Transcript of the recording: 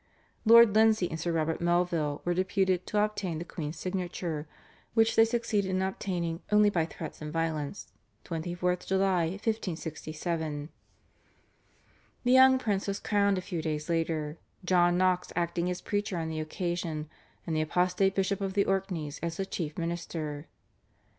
Lord Lindsay and Sir Robert Melville were deputed to obtain the queen's signature, which they succeeded in obtaining only by threats and violence (24th July 1567). The young prince was crowned a few days later, John Knox acting as preacher on the occasion, and the apostate Bishop of the Orkneys as the chief minister.